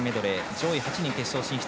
上位８人が決勝進出。